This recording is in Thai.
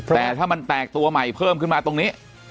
แต่ถ้ามันแตกตัวใหม่เพิ่มขึ้นมาตรงนี้